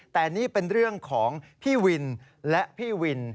แต่นี่เป็นเรื่องของพี่วินและพี่วิน